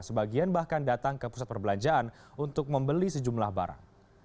sebagian bahkan datang ke pusat perbelanjaan untuk membeli sejumlah barang